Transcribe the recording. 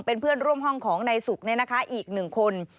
เป็นเพื่อนร่วมห้องของนายสุกอีกหนึ่งคน